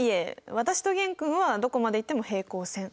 私と玄君はどこまで行っても平行線。